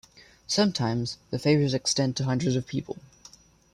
Sometimes the favors extend to hundreds of people.